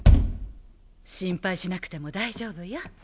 心配しなくても大丈夫よ。